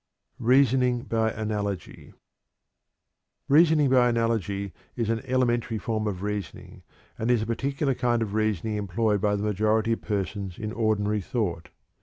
REASONING BY ANALOGY. Reasoning by analogy is an elementary form of reasoning, and is the particular kind of reasoning employed by the majority of persons in ordinary thought.